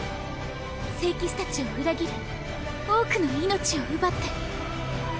聖騎士たちを裏切り多くの命を奪って。